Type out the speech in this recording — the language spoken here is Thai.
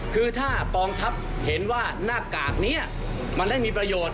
คือถ้ากองทัพเห็นว่าหน้ากากนี้มันได้มีประโยชน์